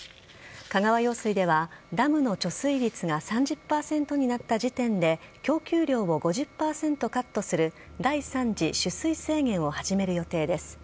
香川用水では、ダムの貯水率が３０％になった時点で供給量を５０％カットする第３次取水制限を始める予定です。